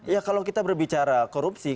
ya kalau kita berbicara korupsi